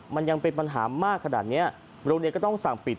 มันยังเป็นปัญหามากขนาดนี้โรงเรียนก็ต้องสั่งปิด